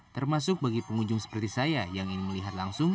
termasuk bagi pengunjung seperti saya yang ingin melihat langsung